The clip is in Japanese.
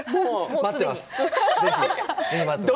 待ってます。